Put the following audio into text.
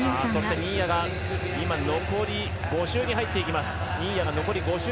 新谷が残り５周に入っていきます。